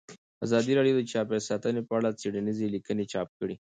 ازادي راډیو د چاپیریال ساتنه په اړه څېړنیزې لیکنې چاپ کړي.